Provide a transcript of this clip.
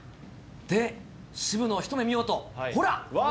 で、渋野を一目見ようと、ほら！